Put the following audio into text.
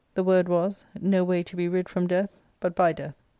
The word was, *' No way to be rid from Death but by Death."